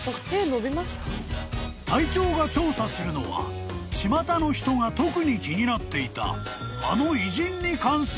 ［隊長が調査するのはちまたの人が特に気になっていたあの］